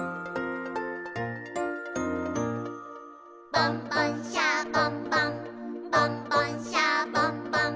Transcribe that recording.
「ボンボン・シャボン・ボンボンボン・シャボン・ボン」